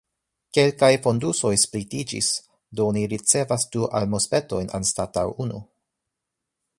Kelkaj fondusoj splitiĝis, do oni ricevas du almozpetojn anstataŭ unu.